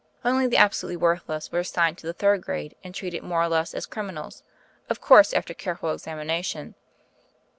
Only the absolutely worthless were assigned to the third grade, and treated more or less as criminals of course after careful examination.